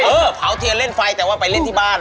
เออเผาเทียนเล่นไฟแต่ว่าไปเล่นที่บ้าน